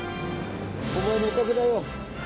お前のおかげだよ。